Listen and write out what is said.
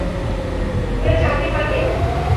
ওরা জানতে পারবে।